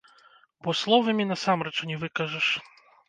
Бо словамі насамрэч не выкажаш.